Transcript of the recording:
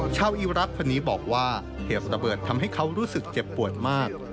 อีรักษ์คนนี้บอกว่าเหตุระเบิดทำให้เขารู้สึกเจ็บปวดมาก